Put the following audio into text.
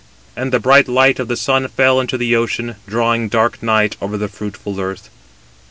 And the bright light of the sun fell into the ocean, drawing dark night over the fruitful earth.